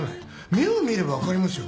目を見れば分かりますよ。